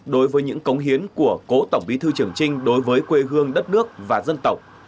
đối với những cống hiến của cố tổng bí thư trường trinh đối với quê hương đất nước và dân tộc